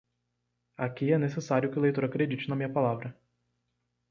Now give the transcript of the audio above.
Aqui é necessário que o leitor acredite na minha palavra.